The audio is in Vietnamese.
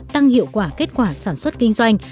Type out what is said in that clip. tăng hiệu quả kết quả sản xuất kinh doanh